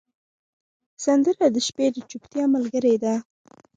سندره د شپې د چوپتیا ملګرې ده